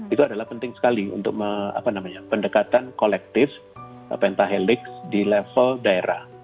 itu adalah penting sekali untuk pendekatan kolektif pentahelix di level daerah